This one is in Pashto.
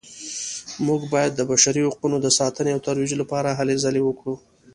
موږ باید د بشري حقونو د ساتنې او ترویج لپاره هلې ځلې وکړو